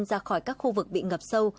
ra khỏi các khu vực bị ngập sâu